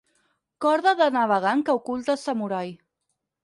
Corda de navegant que oculta el samurai.